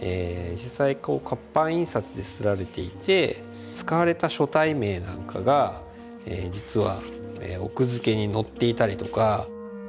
実際こう活版印刷で刷られていて使われた書体名なんかがえ実は奥付けに載っていたりとか。